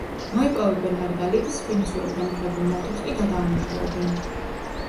მოიპოვებენ მარგალიტს; ვენესუელიდან მიღებულ ნავთობს კი გადაამუშავებენ.